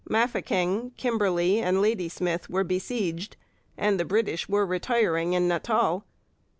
Mafeking, Kimberley, and Ladysmith were besieged, and the British were retiring in Natal.